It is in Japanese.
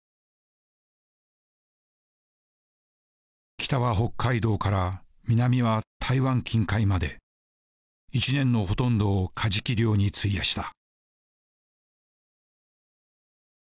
北は北海道から南は台湾近海まで一年のほとんどをカジキ漁に費やした。